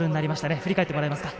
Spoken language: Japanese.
振り返ってもらえますか。